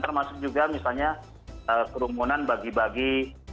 termasuk juga misalnya kerumunan bagi bagi